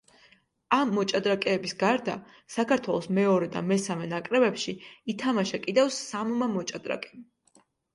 ამ მოჭადრაკეების გარდა საქართველოს მეორე და მესამე ნაკრებებში ითამაშა კიდევ სამმა მოჭადრაკემ.